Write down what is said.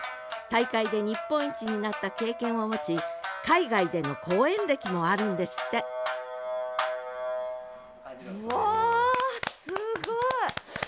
大会で日本一になった経験を持ち海外での公演歴もあるんですってありがとうございます。